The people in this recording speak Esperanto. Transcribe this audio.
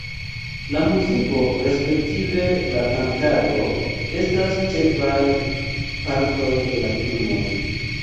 La muziko, respektive la kantado estas ĉefaj partoj de la filmoj.